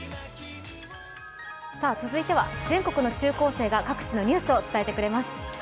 続いては全国の中高生が各地のニュースを伝えてくれます。